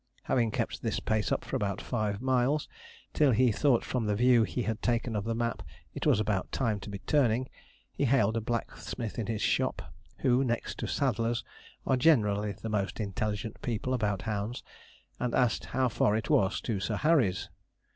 Having kept this pace up for about five miles, till he thought from the view he had taken of the map it was about time to be turning, he hailed a blacksmith in his shop, who, next to saddlers, are generally the most intelligent people about hounds, and asked how far it was to Sir Harry's?